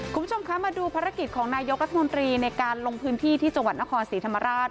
คุณผู้ชมคะมาดูภารกิจของนายกรัฐมนตรีในการลงพื้นที่ที่จังหวัดนครศรีธรรมราช